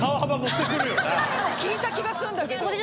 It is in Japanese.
聞いた気がするんだけど。